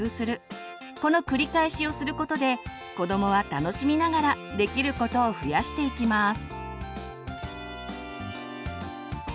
この繰り返しをすることで子どもは楽しみながらできることを増やしていきます。